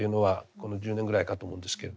この１０年ぐらいかと思うんですけれども。